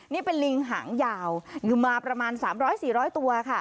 นี่เป็นลิงหางยาวมาประมาณสามร้อยสี่ร้อยตัวค่ะ